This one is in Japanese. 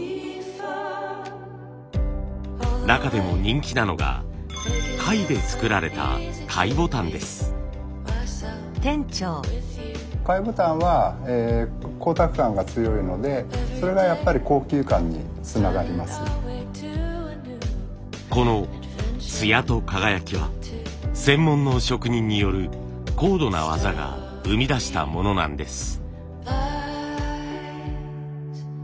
中でも人気なのが貝で作られたこのつやと輝きは専門の職人による高度な技が生み出したものなんです。